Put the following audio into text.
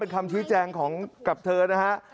คำชี้แจงของกับเธอนะฮะ